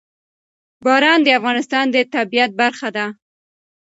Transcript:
باران د افغانستان د طبیعت برخه ده.